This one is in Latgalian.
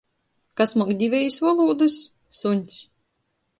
Kas muok divejis volūdys? Suņs.